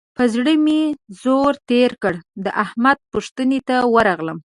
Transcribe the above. پر زړه مې زور تېر کړ؛ د احمد پوښتنې ته ورغلم.